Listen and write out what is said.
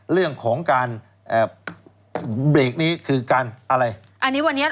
เรื่องของการเบรกนี้คือการอะไร